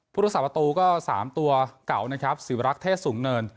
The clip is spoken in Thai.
พุทธศาสประตูก็๓ตัวเก่านะครับศิวรักษ์เทศสูงเนิน